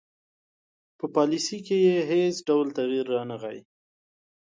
په پالیسي کې یې هیڅ ډول تغیر رانه غی.